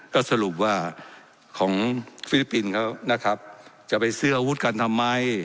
ก็สรุปว่าของฟิลิปปินส์เขานะครับจะไปซื้ออาวุธกันทำไม